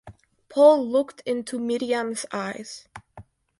Paul looked into Miriam’s eyes.